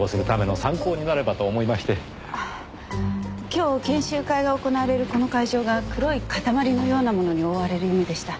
今日研修会が行われるこの会場が黒い塊のようなものに覆われる夢でした。